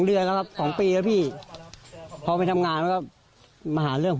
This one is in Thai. เดือนแล้วครับสองปีแล้วพี่พอไปทำงานมันก็มาหาเรื่องผม